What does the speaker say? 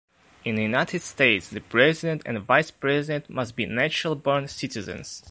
In the United States, the President and Vice President must be natural-born citizens.